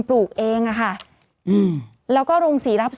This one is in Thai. ศูนย์อุตุนิยมวิทยาภาคใต้ฝั่งตะวันอ่อค่ะ